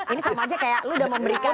ini sama aja kayak lu udah memberikan